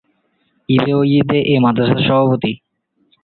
তিনি এই মাদ্রাসাটির সভাপতি।